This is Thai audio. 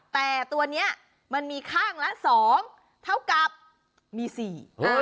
แต่ตัวนี้มันมีข้างละ๒เท่ากับมี๔